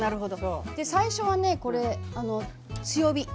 で最初はねこれ強火。